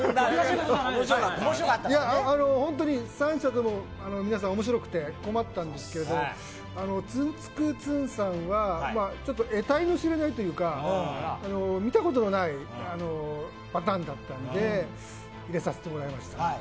３者とも皆さん面白くて困ったんですけどツンツクツンさんが得体の知れないというか見たことのないパターンだったので入れさせてもらいました。